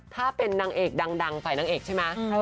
ถ้าเป็นนางเอกดังฝ่ายนางเอกใช่ไหม